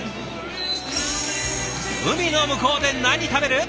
海の向こうで何食べる？